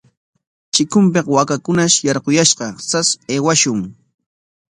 Chikunpik waakakunash yarquyashqa, sas aywashun.